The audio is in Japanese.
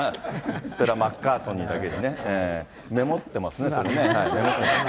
ステラ・マッカートニーだけにね、メモってますね、それね。